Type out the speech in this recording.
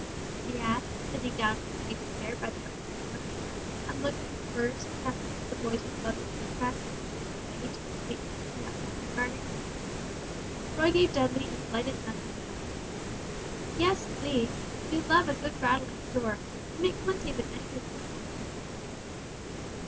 she asked, sitting down in her easy chair by the open window, and looking first at the boys with loving interest, and then away to the sweet country outside her garden. Roy gave Dudley a delighted nudge with his elbow. "Yes, please; we love a good rattling story; and make plenty of adventures in it, won't you?"